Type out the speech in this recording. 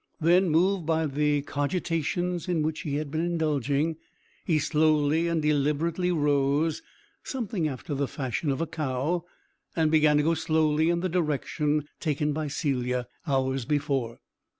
Then, moved by the cogitations in which he had been indulging, he slowly and deliberately rose, something after the fashion of a cow, and began to go slowly in the direction taken by Celia hours before.